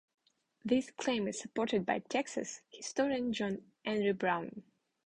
This claim is supported by Texas historian John Henry Brown.